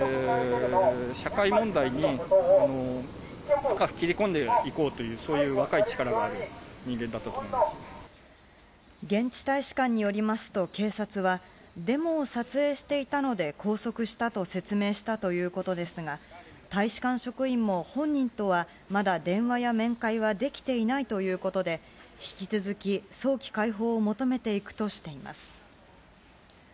社会問題に深く切り込んでいこうという、そういう若い力がある人現地大使館によりますと、警察は、デモを撮影していたので拘束したと説明したということですが、大使館職員も本人とはまだ電話や面会はできていないということで、引き続き、早期解放を求めていくとしています。